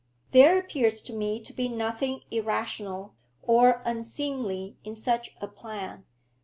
There appears to me to be nothing irrational or unseemly in such a plan.